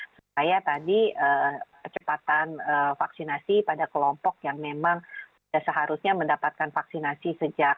saya tadi percepatan vaksinasi pada kelompok yang memang seharusnya mendapatkan vaksinasi sejak